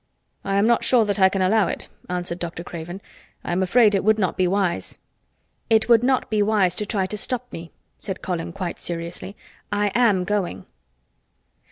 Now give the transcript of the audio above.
"I am not sure that I can allow it," answered Dr. Craven. "I am afraid it would not be wise." "It would not be wise to try to stop me," said Colin quite seriously. "I am going."